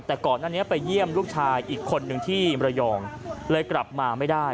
แต่ก่อนหน้านี้ไปเยี่ยมลูกชายอีกคนนึงที่มรยองเลยกลับมาไม่ได้